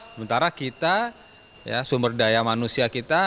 sementara kita sumber daya manusia kita